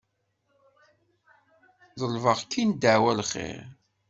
Ḍelbeɣ-k-in ddeɛwa n lxir.